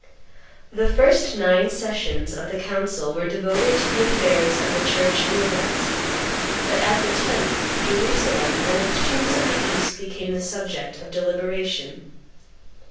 The first nine sessions of the council were devoted to the affairs of the Church in the West; but at the tenth Jerusalem and the Christians of the East became the subject of deliberation.